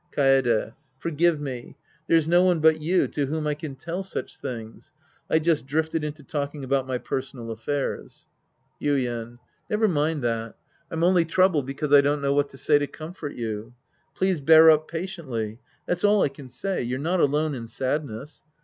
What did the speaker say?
Kaede. Forgive me. There's no one but you to whom I can tell such things. I just drifted into talking about my personal affairs. Sc. I The Priest and His Disciples 149 Yuien. Never mind that. I'm only troubled because I don't know what to say to comfort you. Please bear up patiently. That's all I can say. You're not alone in sadness.